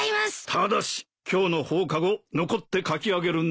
ただし今日の放課後残って描き上げるんだぞ。